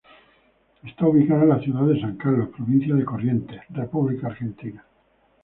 Está ubicada en la ciudad de San Carlos, provincia de Corrientes, República Argentina.